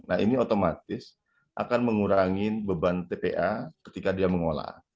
nah ini otomatis akan mengurangi beban tpa ketika dia mengolah